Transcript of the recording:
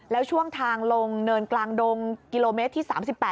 แล้วช่วงทางลงเนินกลางดงกิโลเมตรที่๓๘